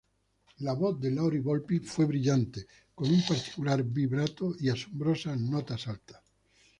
La voz de Lauri-Volpi fue brillante, con un particular vibrato y asombrosas notas altas.